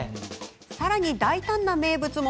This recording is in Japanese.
さらに大胆な名物も。